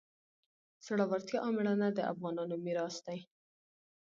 زړورتیا او میړانه د افغانانو میراث دی.